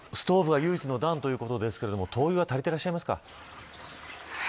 ストーブが唯一の暖ということですが灯油は足りていらっしゃいますか。